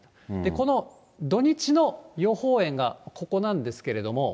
この土日の予報円がここなんですけれども。